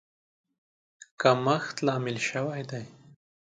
کمښت لامل شوی دی.